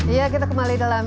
ya kita kembali dalam